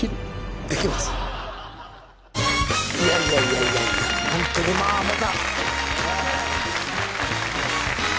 いやいやいやホントにまあまた。